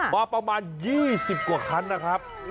มาประมาณ๒๐กว่าคันนะครับ